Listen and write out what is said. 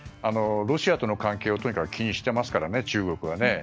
ロシアとの関係をとにかく気にしていますからね、中国は。